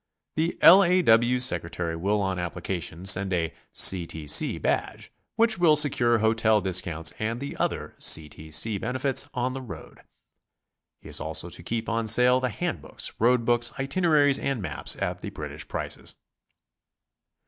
The L. A. W. Secretary will on application send a C. T. C. badge, which will secure hotel discounts and the other C. T. C. benefits on the road. Fie is also to keep on sale the hand books, road books, itineraries and maps at the British prices.